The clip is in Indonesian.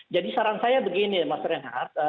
jadi saran saya begini mas renhasa